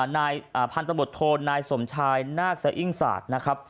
นายพันธบทโทนายสมชายนาคสะอิ้งศาสตร์นะครับ